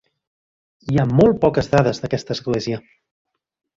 Hi ha molt poques dades d'aquesta església.